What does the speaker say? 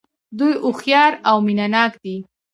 دوی هوښیار او مینه ناک دي.